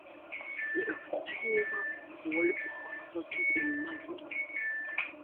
The exterior wall is constructed in limestone.